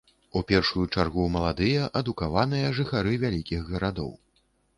У першую чаргу, маладыя, адукаваныя жыхары вялікіх гарадоў.